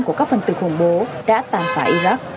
của các phần tử khủng bố đã tàn phá iraq